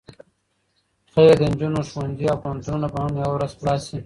خير د نجونو ښوونځي او پوهنتونونه به هم يوه ورځ خلاص شي.